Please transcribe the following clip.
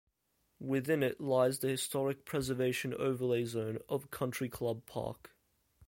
Within it lies the Historic Preservation Overlay Zone of Country Club Park.